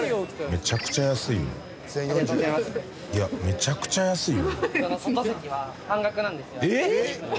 めちゃくちゃ安いよえっ！？